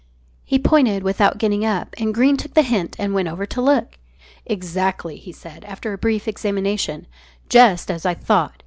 He pointed without getting up, and Greene took the hint and went over to look. "Exactly," he said, after a brief examination; "just as I thought.